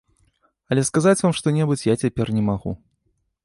Але сказаць вам што-небудзь я цяпер не магу.